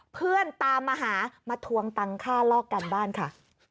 เพื่อนตามมาหามาทวงตังค่าลอกการบ้านค่ะ